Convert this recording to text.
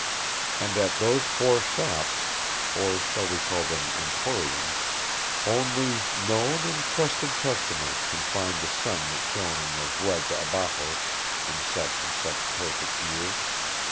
And at those four shops or shall we call them emporiums only known and trusted customers can find the sun that shone on the Vuelta Abajos in such and such a perfect year.